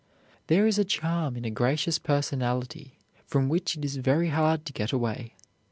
There is a charm in a gracious personality from which it is very hard to get away.